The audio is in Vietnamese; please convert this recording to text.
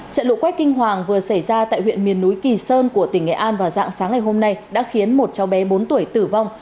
trận lũ quét kinh hoàng vừa xảy ra tại huyện miền núi kỳ sơn của tỉnh nghệ an vào dạng sáng ngày hôm nay đã khiến một cháu bé bốn tuổi tử vong